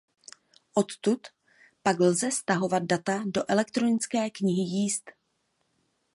Odtud pak lze stahovat data do elektronické knihy jízd.